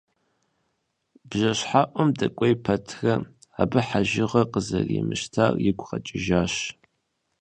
Бжэщхьэӏум дэкӏуей пэтрэ, абы хьэжыгъэ къызэримыщтар игу къэкӏыжащ.